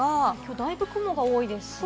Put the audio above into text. だいぶ雲が多いですね。